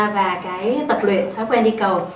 và cái tập luyện thói quen đi cầu